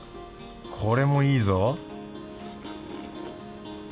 これもいいぞ